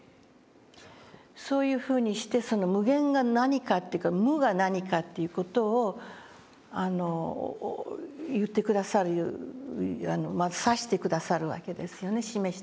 そういうふうにして無限が何かっていうか無が何かっていう事を言って下さる指して下さるわけですよね示して。